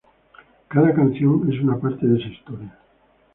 Cada canción es una parte de esa historia.